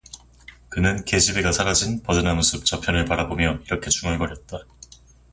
그는 계집애가 사라진 버드나무숲 저편을 바라보며 이렇게 중얼거렸다.